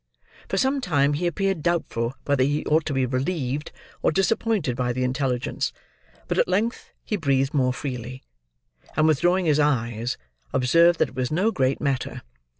For some time, he appeared doubtful whether he ought to be relieved or disappointed by the intelligence; but at length he breathed more freely; and withdrawing his eyes, observed that it was no great matter.